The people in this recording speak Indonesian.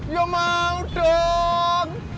ya mau dong